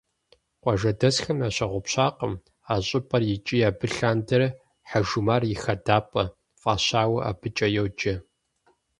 Къуажэдэсхэм ящыгъупщакъым а щӏыпӏэр икӏи абы лъандэрэ «Хьэжумар и хадапӏэ» фӏащауэ абыкӏэ йоджэ.